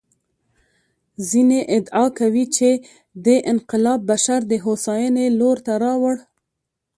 ځینې ادعا کوي چې دې انقلاب بشر د هوساینې لور ته راوړ.